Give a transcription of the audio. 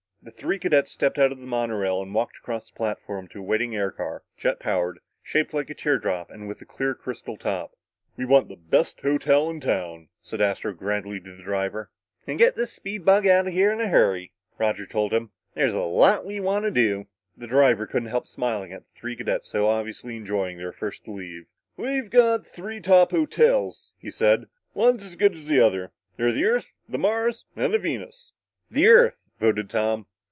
The three cadets stepped out of the monorail and walked across the platform to a waiting air car jet powered, shaped like a teardrop and with a clear crystal top. "We want the best hotel in town," said Astro grandly to the driver. "And get this speed bug outa here in a hurry," Roger told him. "There's a lot we want to do." The driver couldn't help smiling at the three cadets so obviously enjoying their first leave. "We've got three top hotels," he said. "One's as good as the other. They're the Earth, the Mars and the Venus." "The Earth," voted Tom.